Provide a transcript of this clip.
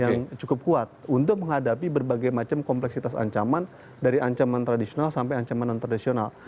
yang cukup kuat untuk menghadapi berbagai macam kompleksitas ancaman dari ancaman tradisional sampai ancaman non tradisional